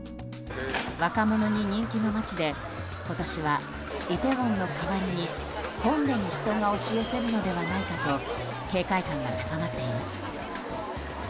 若者に人気の街で今年はイテウォンの代わりにホンデに人が押し寄せるのではないかと警戒感が高まっています。